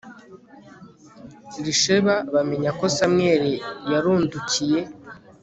risheba bamenya ko Samweli yarundukiye